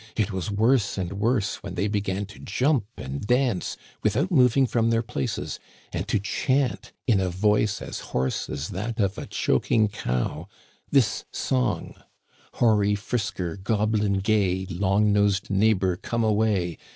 It was worse and worse when they began to jump and dance without moving from their places, and Digitized by VjOOQIC 42 THE CANADIANS OF OLD, to chant in a voice as hoarse as that of a choking cow, this song :•* Hoary Frisker, Goblin gay, Long nosed Neighbor, come away